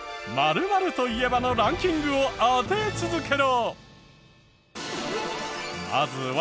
「○○といえば」のランキングを当て続けろ。